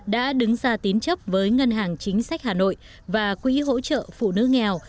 đã đứng ra tín chấp với ngân hàng chính sách hà nội và quỹ hỗ trợ phụ nữ nghèo